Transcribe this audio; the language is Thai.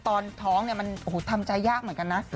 ตอนท้องเนี่ยมันทำใจยากเหมือนกันนะ